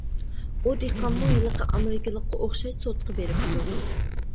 ئۇ دېھقانمۇ ھېلىقى ئامېرىكىلىققا ئوخشاش سوتقا بېرىپتۇ.